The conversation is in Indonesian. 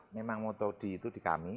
memang moto di kami